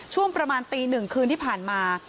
ช่วงประมาณตีหนึ่งคืนที่ผ่านมา